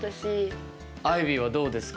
アイビーはどうですか？